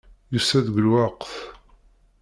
Yusa-d deg lweqt.